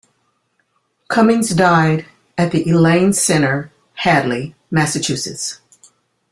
Cummings died at The Elaine Center, Hadley, Massachusetts.